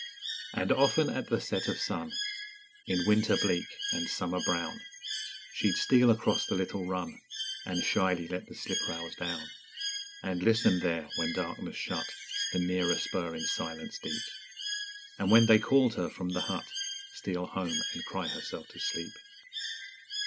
And often at the set of sun, In winter bleak and summer brown, She'd steal across the little run, And shyly let the sliprails down. And listen there when darkness shut The nearer spur in silence deep; And when they called her from the hut Steal home and cry herself to sleep.